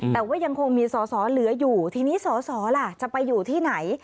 แต่ว่ายังคงมีสอสอเหลืออยู่ทีนี้สอสอล่ะจะไปอยู่ที่ไหน